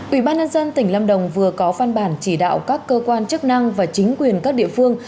ủy ban nhân dân tỉnh lâm đồng vừa có phan bản chỉ đạo các cơ quan chức năng và chính quyền các địa phương